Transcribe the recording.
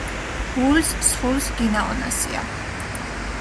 ბულს სხულს გინაჸონასია